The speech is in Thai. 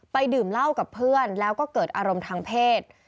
ดื่มเหล้ากับเพื่อนแล้วก็เกิดอารมณ์ทางเพศ